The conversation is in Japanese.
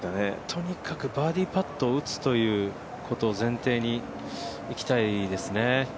とにかくバーディーパットを打つということを前提にいきたいですね。